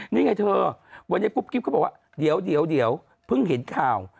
นี่ไงเธอวันนี้กุ๊กกิ๊บเขาบอกว่าเดี๋ยวเพิ่งเห็นข่าว